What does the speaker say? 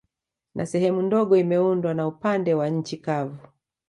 Na sehemu ndogo imeundwa na upande wa nchi kavu